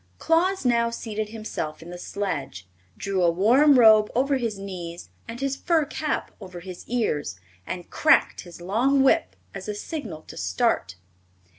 Claus now seated himself in the sledge, drew a warm robe over his knees and his fur cap over his ears, and cracked his long whip as a signal to start.